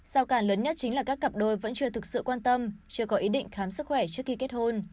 giao cản lớn nhất chính là các cặp đôi vẫn chưa thực sự quan tâm chưa có ý định khám sức khỏe trước khi kết hôn